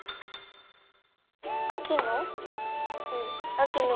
あきの。